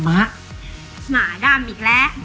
มาดามอีกแล้ว